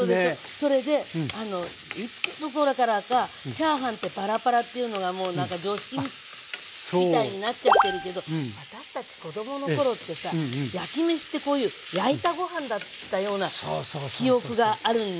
それでいつのころからかチャーハンってパラパラッというのがもう常識みたいになっちゃってるけど私たち子供の頃ってさ焼きめしってこういう焼いたご飯だったような記憶があるのよね。